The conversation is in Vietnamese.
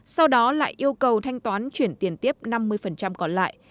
sau đó lại yêu cầu thanh toán chuyển tiền tiếp năm mươi còn lại